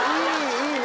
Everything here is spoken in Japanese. いいね！